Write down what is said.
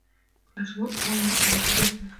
کله چې د اومو موادو اندازه زیاته وي